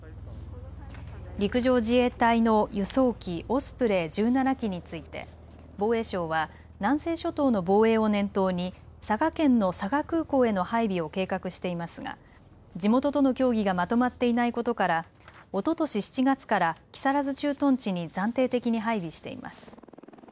陸上自衛隊の輸送機オスプレイ１７機について防衛省は南西諸島の防衛を念頭に佐賀県の佐賀空港への配備を計画していますが地元との協議がまとまっていないことから、おととし７月から木更津駐屯地に暫定的に配備しています。